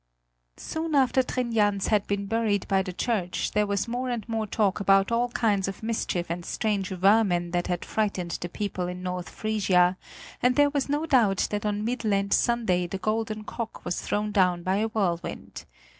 Soon after Trin Jans had been buried by the church, there was more and more talk about all kinds of mischief and strange vermin that had frightened the people in North Frisia, and there was no doubt that on mid Lent Sunday the golden cock was thrown down by a whirlwind.